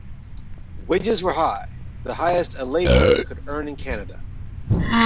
Wages were high, the highest a labourer could earn in Canada.